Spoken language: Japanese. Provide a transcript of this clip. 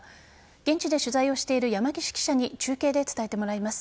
現地で取材をしている山岸記者に中継で伝えてもらいます。